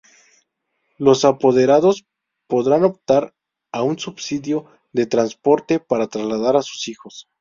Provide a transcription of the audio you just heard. Los apoderados podrán optar a un subsidio de transporte para trasladar a sus hijos.